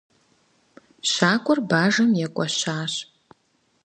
Щакӏуэр бажэм екӏуэщащ.